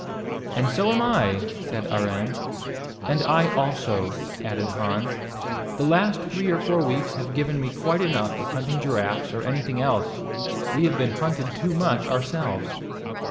"And so am I," said Arend. "And I also," added Hans. "The last three or four weeks have given me quite enough of hunting giraffes, or anything else. We have been hunted too much ourselves."